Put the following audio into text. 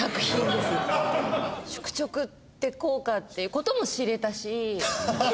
「宿直」ってこうかっていう事も知れたし。